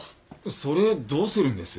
それどうするんです？